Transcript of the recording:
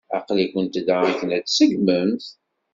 Aql-ikent da akken ad tsetgemt?